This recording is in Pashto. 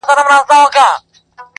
o ما له کيسې ژور اغېز واخيست,